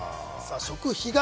食費が。